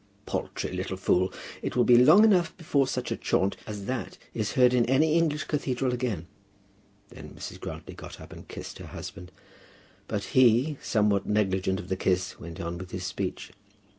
"Paltry little fool! It will be long enough before such a chaunt as that is heard in any English cathedral again." Then Mrs. Grantly got up and kissed her husband, but he, somewhat negligent of the kiss, went on with his speech.